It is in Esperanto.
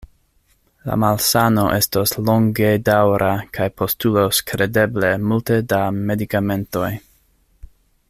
La malsano estos longedaŭra kaj postulos kredeble multe da medikamentoj.